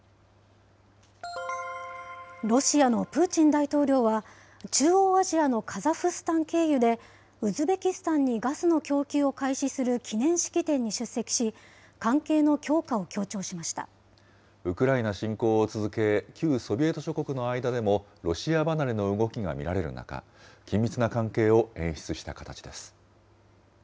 ロシアのプーチン大統領は、中央アジアのカザフスタン経由で、ウズベキスタンにガスの供給を開始する記念式典に出席し、ウクライナ侵攻を続け、旧ソビエト諸国の間でもロシア離れの動きが見られる中、緊密な関係を演出した形です。